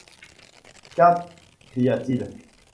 Katt ! cria-t-il.